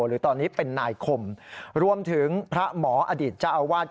หรือตอนนี้เป็นนายคมรวมถึงพระหมออดีตเจ้าอาวาส